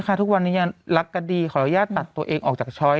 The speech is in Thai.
ทุกวันนี้ยังรักกันดีขออนุญาตตัดตัวเองออกจากช้อย